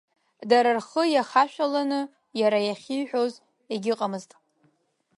Дара рхы иахашәаланы, иара иахьихәоз егьыҟамызт.